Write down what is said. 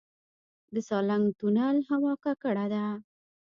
د سالنګ تونل هوا ککړه ده